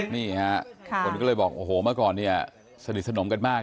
นี่ครับผมก็เลยบอกโอ้โหมาก่อนสนิทสนมกันมาก